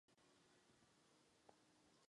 Skladbu napsal frontman skupiny Frank Zappa.